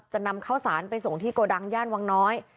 นำข้าวสารไปส่งที่โกดังย่านวังน้อย